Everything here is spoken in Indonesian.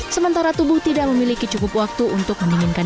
sementara tubuh tidak memiliki cukup waktu untuk mendinginkan